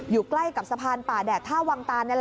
อยู่ใกล้กับสพานป่าแดดท่าวางตาเนี่ยละ